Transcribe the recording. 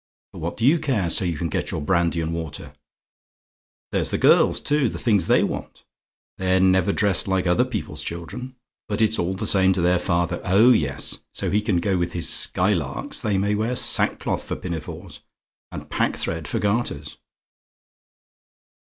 But what do you care so you can get your brandy and water? There's the girls, too the things they want! They're never dressed like other people's children. But it's all the same to their father. Oh, yes! So he can go with his Skylarks they may wear sackcloth for pinafores, and packthread for garters.